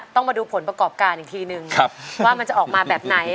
ต้องมาดูผลประกอบการอีกทีนึงว่ามันจะออกมาแบบไหน